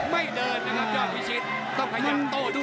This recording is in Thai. ไม่เดินนะครับยอดพิชิตต้องขยับโต้ด้วย